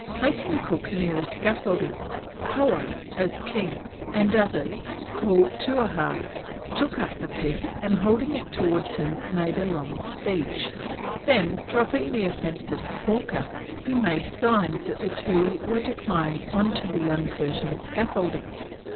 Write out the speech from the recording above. Placing Cook near the scaffolding, Koah, as King and others call Touahah, took up the pig and holding it towards him made a long speech. Then, dropping the offensive porker, he made signs that the two were to climb on to the uncertain scaffolding.